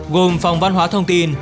gồm phòng văn hóa thông tin